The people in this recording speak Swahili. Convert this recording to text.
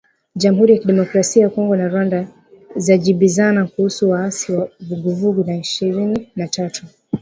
Jamuhuri ya Kidemokrasia ya Kongo na Rwanda zajibizana kuhusu waasi wa vuguvugu ya ishirini na tatu